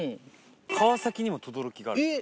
川崎にも等々力があるんですよ。